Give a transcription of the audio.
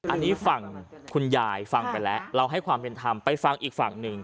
อันนี้ฝั่งคุณยายฟังไปแล้วเราให้ความเป็นธรรมไปฟังอีกฝั่งหนึ่ง